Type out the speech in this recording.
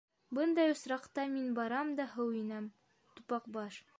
— Бындай осраҡта мин барам да һыу инәм, Тупаҡбаш.